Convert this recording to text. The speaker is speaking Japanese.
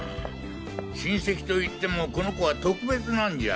親戚といってもこの子は特別なんじゃ。